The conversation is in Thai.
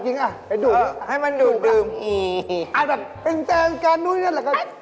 กระดิ่นเนื้อกันแล้วไฟมัน